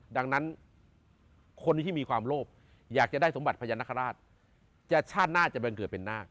ดังนั้นคนที่มีความโลภอยากจะได้สมบัติพญานาคาราชชาติหน้าจะบังเกิดเป็นนาค